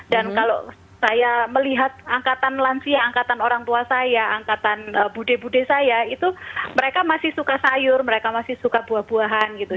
dan kalau saya melihat angkatan lansia angkatan orang tua saya angkatan budi budi saya itu mereka masih suka sayur mereka masih suka buah buahan gitu